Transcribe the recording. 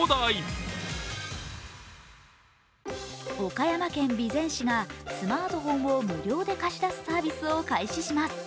岡山県備前市がスマートフォンを無料で貸し出すサービスを開始します。